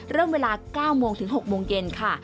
เริ่มเวลา๙โมงถึง๖โมงเย็นค่ะ